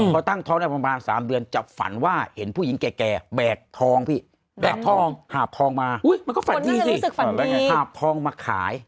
พอตั้งท้องได้ประมาณ๓เดือนจับฝันว่าเห็นผู้หญิงแก่แบกทองพี่แบกทองหาบทองมามันก็ฝันดีสิหาบทองมาขาย